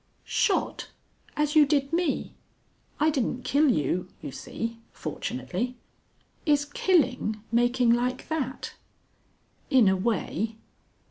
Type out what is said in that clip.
"Shot! As you did me?" "I didn't kill you, you see. Fortunately." "Is killing making like that?" "In a way."